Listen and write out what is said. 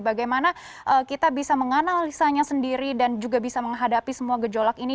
bagaimana kita bisa menganalisanya sendiri dan juga bisa menghadapi semua gejolak ini